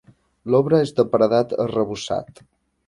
L'obra és de paredat arrebossat.